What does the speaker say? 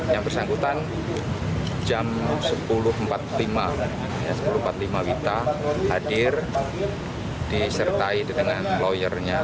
yang bersangkutan jam sepuluh empat puluh lima wita hadir disertai dengan lawyernya